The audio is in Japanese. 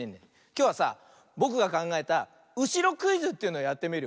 きょうはさぼくがかんがえた「うしろクイズ」というのやってみるよ。